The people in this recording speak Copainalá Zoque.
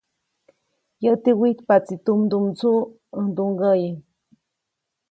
Yäti wijtpaʼtsi tumdumdsuʼ ndumgäʼyi.